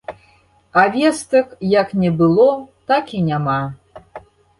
А вестак як не было, так і няма.